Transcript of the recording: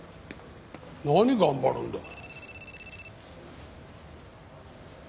何頑張るんだ。